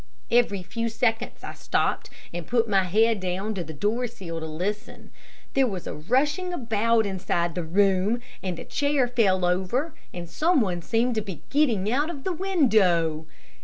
Every few seconds I stopped and put my head down to the doorsill to listen. There was a rushing about inside the room, and a chair fell over, and some one seemed to be getting out of the window.